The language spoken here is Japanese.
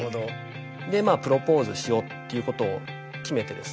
でプロポーズしようっていうことを決めてですね